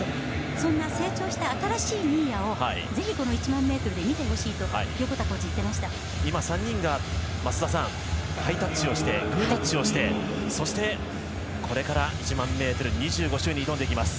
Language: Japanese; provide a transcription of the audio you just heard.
そんな成長した新しい新谷をぜひ１００００ｍで見てほしいと今、３人が増田さんハイタッチをしてグータッチをしてそして、これから１００００ｍ２５周に挑んできます。